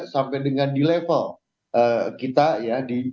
sampai dengan di level kita ya